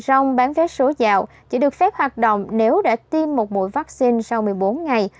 rông bán vé số dạo chỉ được phép hoạt động nếu đã tiêm một mũi vaccine sau một mươi bốn ngày